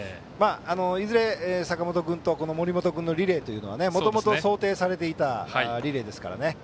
いずれ、坂本君と森本君のリレーというのはもともと想定されていたリレーですから。